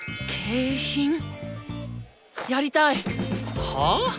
やりたい！はあ？